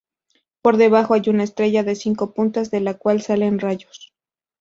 Por debajo hay una estrella de cinco puntas de la cual salen rayos.